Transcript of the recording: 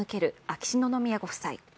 秋篠宮ご夫妻。